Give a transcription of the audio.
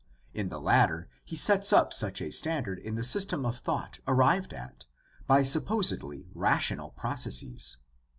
In the latter he sets up such a standard in a system of thought arrived at by supposedly rational processes.